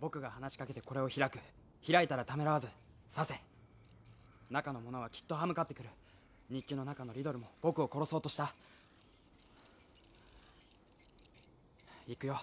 僕が話しかけてこれを開く開いたらためらわず刺せ中のものはきっと歯向かってくる日記の中のリドルも僕を殺そうとしたいくよ